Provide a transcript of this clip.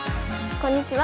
こんにちは。